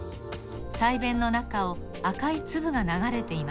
鰓弁の中を赤いつぶがながれています。